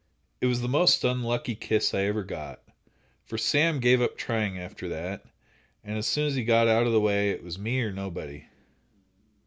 "It was the most unlucky kiss I ever got, for Sam gave up trying after that, and as soon as he got out of the way, it was me or nobody."